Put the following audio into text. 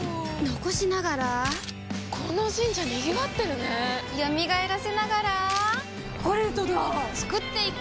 残しながらこの神社賑わってるね蘇らせながらコレドだ創っていく！